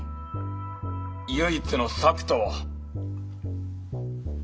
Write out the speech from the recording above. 唯一の策とは？